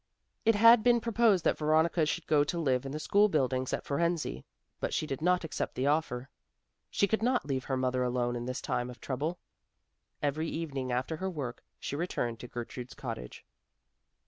It had been proposed that Veronica should go to live in the school buildings at Fohrensee. But she did not accept the offer; she could not leave her mother alone in this time of trouble. Every evening after her work she returned to Gertrude's cottage.